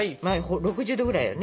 ６０℃ぐらいよね？